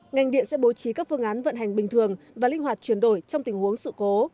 ngành điện sẽ bố trí các phương án vận hành bình thường và linh hoạt chuyển đổi trong tình huống sự cố